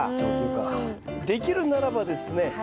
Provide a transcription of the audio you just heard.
できるならばですね